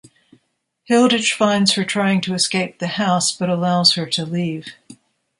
Hilditch finds her trying to escape the house but allows her to leave.